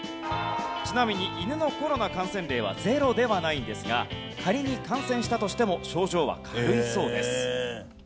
ちなみに犬のコロナ感染例は０ではないんですが仮に感染したとしても症状は軽いそうです。